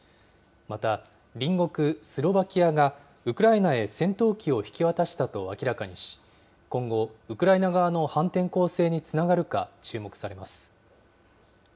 また、隣国スロバキアがウクライナへ戦闘機を引き渡したと明らかにし、今後、ウクライナ側の反転攻勢につながるか、注目されます。